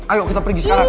ayo kita pergi sekarang